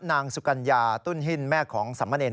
นางสุกัญญาตุ้นหินแม่ของสามเณร